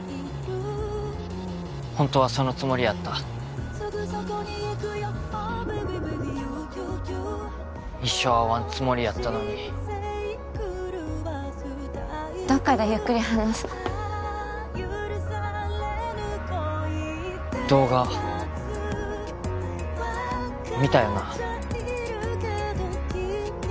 ホントはそのつもりやった一生会わんつもりやったのにどっかでゆっくり話動画見たよな？